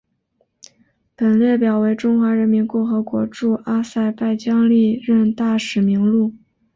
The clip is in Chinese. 本列表为中华人民共和国驻阿塞拜疆历任大使名录。